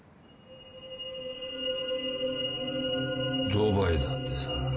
ドバイだってさ。